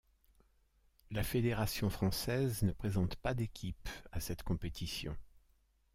La Fédération française ne présente pas d'équipe à cette compétition.